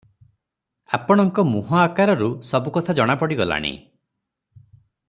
ଆପଣଙ୍କ ମୁହଁ ଆକାରରୁ ସବୁକଥା ଜଣାପଡ଼ିଗଲାଣି ।